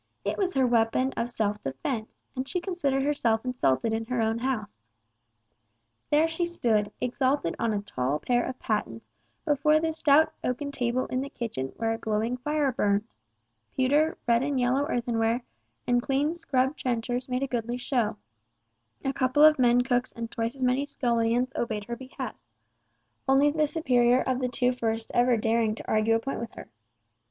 It was her weapon of self defence, and she considered herself insulted in her own house. There she stood, exalted on a tall pair of pattens before the stout oaken table in the kitchen where a glowing fire burned; pewter, red and yellow earthenware, and clean scrubbed trenchers made a goodly show, a couple of men cooks and twice as many scullions obeyed her behests—only the superior of the two first ever daring to argue a point with her.